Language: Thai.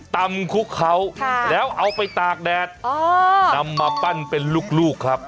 คุกเขาแล้วเอาไปตากแดดนำมาปั้นเป็นลูกครับ